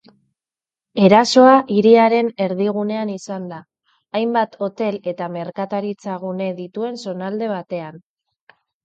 Erasoa hiriaren erdigunean izan da, hainbat hotel eta merkataritza-gune dituen zonalde batean.